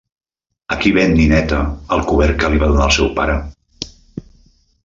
A qui ven Nineta el cobert que li va donar el seu pare?